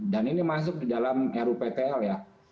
dan ini masuk di dalam ru ptl ya